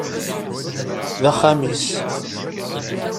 D axxam-is.